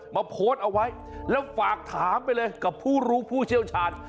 โพสต์เอาไว้แล้วฝากถามไปเลยกับผู้รู้ผู้เชี่ยวชาญ